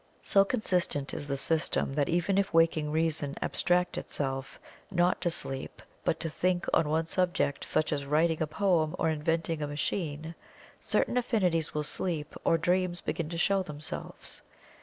So consistent is the system that even if Waking Reason abstract itself, not to sleep, but to think on one subject such as writing a poem or inventing a machine, certain affinities will sleep or dreams begin to show themselves.